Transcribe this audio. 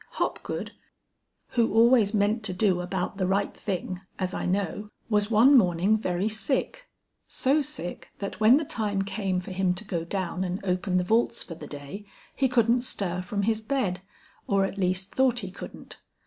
Hopgood, who always meant to do about the right thing, as I know, was one morning very sick, so sick that when the time came for him to go down and open the vaults for the day, he couldn't stir from his bed, or at least thought he couldn't.